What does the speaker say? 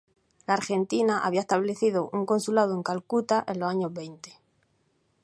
La Argentina había establecido un consulado en Calcuta en los años veinte.